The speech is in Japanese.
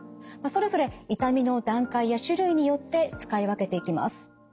それぞれ痛みの段階や種類によって使い分けていきます。